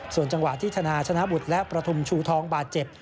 ส่วนจังหวะที่ธนาชนะบุตรและประทุมชูทองบาดเจ็บ